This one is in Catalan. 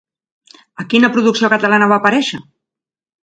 A quina producció catalana va aparèixer?